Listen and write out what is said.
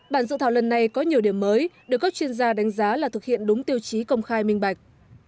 bản dự thảo lần này có nhiều điểm mới được các chuyên gia đánh giá là thực hiện đúng tiêu chí công khai minh bạch